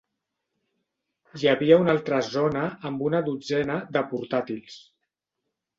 Hi havia una altra zona amb una dotzena de portàtils.